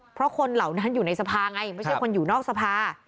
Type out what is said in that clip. เพราะคนเหล่านั้นอยู่ในสภาไงไม่ใช่คนอยู่นอกสภา